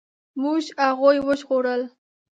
موږ هغوی وژغورل.